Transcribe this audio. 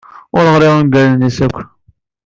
Ur ɣriɣ ungalen-nnes akk.